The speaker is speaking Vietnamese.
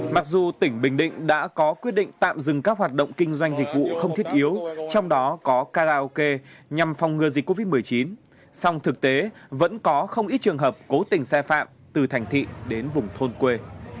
mặc dù tỉnh bình định đã có quyết định tạm dừng các hoạt động kinh doanh dịch vụ không thiết yếu trong đó có karaoke nhằm phòng ngừa dịch covid một mươi chín song thực tế vẫn có không ít trường hợp cố tình sai phạm từ thành thị đến vùng thôn quê